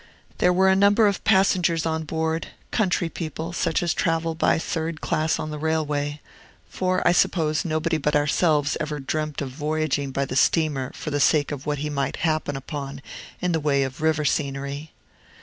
There were a number of passengers on board, country people, such as travel by third class on the railway; for, I suppose, nobody but ourselves ever dreamt of voyaging by the steamer for the sake of what he might happen upon in the way of river scenery.